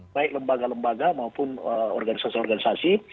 baik lembaga lembaga maupun organisasi organisasi